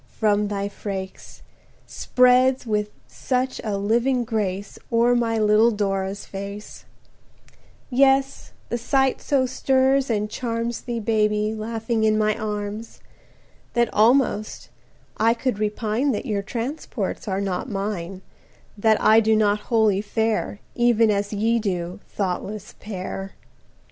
from thy freaks,– Spreads with such a living grace O'er my little Dora's face; Yes, the sight so stirs and charms Thee, Baby, laughing in my arms, That almost I could repine That your transports are not mine, That I do not wholly fare Even as ye do, thoughtless pair!